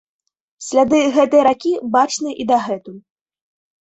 Сляды гэтай ракі бачны і дагэтуль.